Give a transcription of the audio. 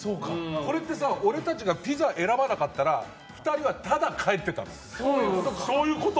これって俺たちがピザ選ばなかったら２人は、ただ帰ってたの？